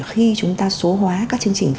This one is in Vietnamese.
khi chúng ta số hóa các chương trình